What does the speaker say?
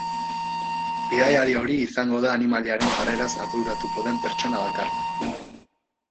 Bidaiari hori izango da animaliaren jarreraz arduratuko den pertsona bakarra.